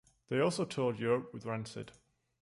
They also toured Europe with Rancid.